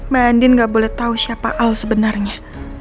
mbak andien gak boleh tau siapa al sebenarnya